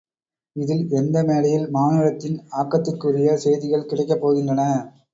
இதில் எந்த மேடையில் மானுடத்தின் ஆக்கத்திற்குரிய செய்திகள் கிடைக்கப் போகின்றன?